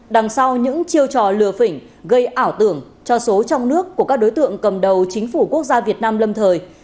đằng sau những chiêu trò lừa phỉnh gây ảo tưởng cho số trong nước của các đối tượng cầm đầu chính phủ quốc gia việt nam lâm thời